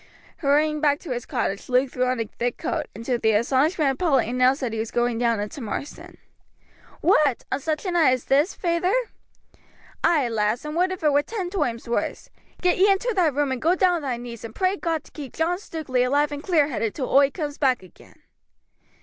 Hurrying back to his cottage Luke threw on a thick coat, and to the astonishment of Polly announced that he was going down into Marsden. "What! on such a night as this, feyther?" "Ay, lass, and would if it were ten toimes wurse. Get ye into thy room, and go down on thy knees, and pray God to keep John Stukeley alive and clear headed till oi coomes back again."